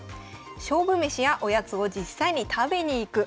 勝負めしやおやつを実際に食べに行く。